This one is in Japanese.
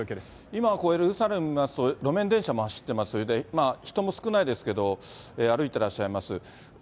今、こうエルサレム見ますと、路面電車も走ってます、それで人も少ないですけど、歩いてらっしゃいます。